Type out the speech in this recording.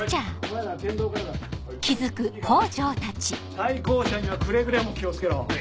対向車にはくれぐれも気を付けろ。